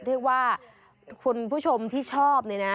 ด้วยว่าคุณผู้ชมที่ชอบเนี่ยนะ